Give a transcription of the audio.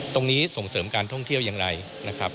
ตรงนี้ส่งเสริมการท่องเที่ยวอย่างไรนะครับ